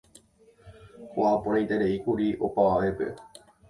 Ho'aporãitereíkuri opavavépe.